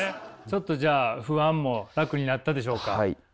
ちょっとじゃあ不安も楽になったでしょうか？